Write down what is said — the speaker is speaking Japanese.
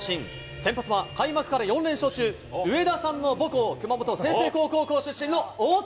先発は開幕から４連勝中、上田さんの母校、熊本・済々黌高校出身の大竹。